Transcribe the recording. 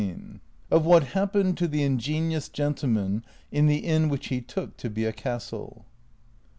OF WHAT HAPPENED TO THE INGENIOUS GENTLEMAN IN THE INN WHICH HE TOOK TO BE A CASTLE.